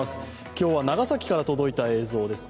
今日は長崎から届いた映像です。